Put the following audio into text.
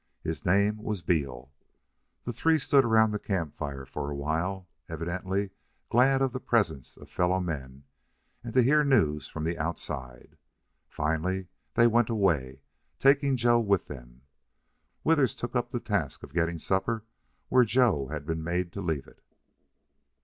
His name was Beal. The three stood round the camp fire for a while, evidently glad of the presence of fellow men and to hear news from the outside. Finally they went away, taking Joe with them. Withers took up the task of getting supper where Joe had been made to leave it.